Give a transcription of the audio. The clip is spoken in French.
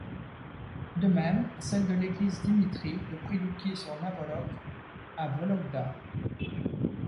De même celle de l'église Dimitri de Prilouki sur Navoloke à Vologda.